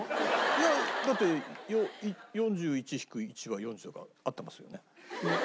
いやだって４１引く１は４０だから合ってますよね。